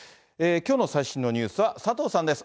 きょうの最新のニュースは佐藤さんです。